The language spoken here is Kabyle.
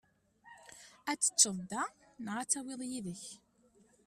Ad teččeḍ da neɣ ad tawiḍ yid-k?